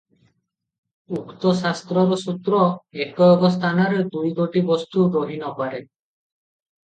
ଉକ୍ତ ଶାସ୍ତ୍ରର ସୂତ୍ର ଏକ-ଏକ ସ୍ଥାନରେ ଦୁଇ ଗୋଟି ବସ୍ତୁ ରହି ନପାରେ ।